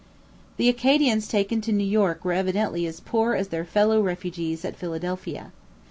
The Acadians taken to New York were evidently as poor as their fellow refugees at Philadelphia.